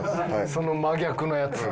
その真逆のやつ。